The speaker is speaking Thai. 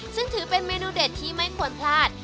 ซึ่งถือเป็นเมนูเด็ดที่ไม่ควรพลาด